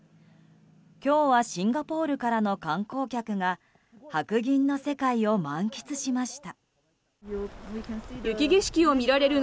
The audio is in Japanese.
今日はシンガポールからの観光客が白銀の世界を満喫しました。